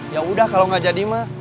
ya udah kalau nggak jadi mah